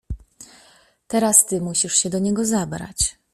"Teraz ty musisz się do niego zabrać."